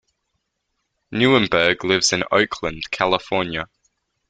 Neuburg lives in Oakland, California.